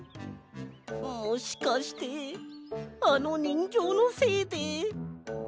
もしかしてあのにんぎょうのせいで。